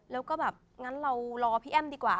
แล้วก็แบบงั้นเรารอพี่แอ้มดีกว่า